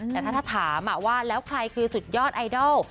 แต่ถ้าถามว่าแล้วใครคือสุดยอดไอดอล